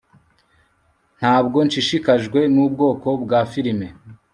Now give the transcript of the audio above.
Ntabwo nshishikajwe nubwoko bwa firime